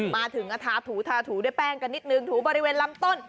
มาถึงก็ทาถูทาถูด้วยแป้งกันนิดนึงถูบริเวณลำต้น